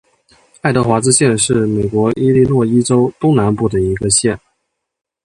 爱德华兹县是美国伊利诺伊州东南部的一个县。